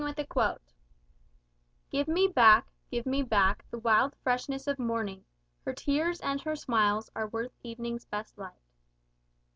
Alcala de Henarez "Give me back, give me back the wild freshness of morning, Her tears and her smiles are worth evening's best light."